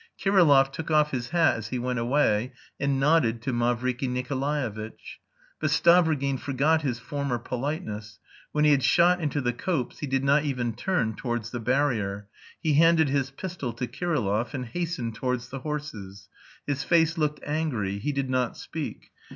Kirillov took off his hat as he went away, and nodded to Mavriky Nikolaevitch. But Stavrogin forgot his former politeness. When he had shot into the copse he did not even turn towards the barrier. He handed his pistol to Kirillov and hastened towards the horses. His face looked angry; he did not speak.